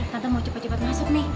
nanti mau cepat cepat masuk nih